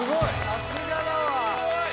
さすがだわ！